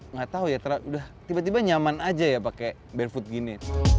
nggak tahu ya tiba tiba nyaman aja ya pakai barefoot gini